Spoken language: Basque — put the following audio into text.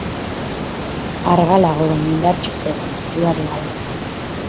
Argalago baina indartsu zegoen, dudarik gabe.